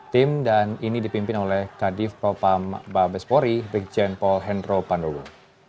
tim dan ini dipimpin oleh kadif propam babespori brigjen paul hendro pandowo